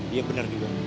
iya bener juga